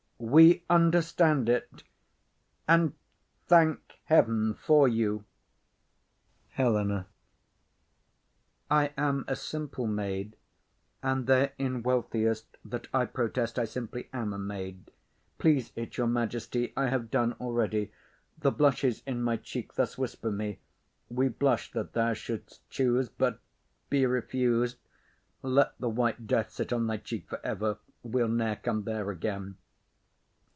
We understand it, and thank heaven for you. HELENA. I am a simple maid, and therein wealthiest That I protest I simply am a maid. Please it, your majesty, I have done already. The blushes in my cheeks thus whisper me: "We blush that thou shouldst choose; but, be refused, Let the white death sit on thy cheek for ever, We'll ne'er come there again."